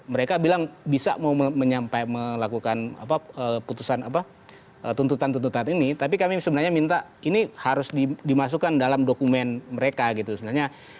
mereka bilang bisa mau melakukan tuntutan tuntutan ini tapi kami sebenarnya minta ini harus dimasukkan dalam dokumen mereka gitu sebenarnya